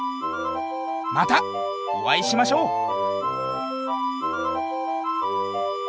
またおあいしましょう！